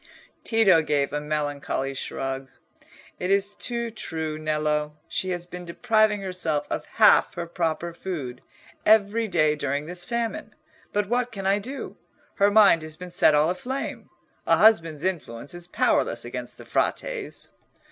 Tito gave a melancholy shrug. "It is too true, Nello. She has been depriving herself of half her proper food every day during this famine. But what can I do? Her mind has been set all aflame. A husband's influence is powerless against the Frate's."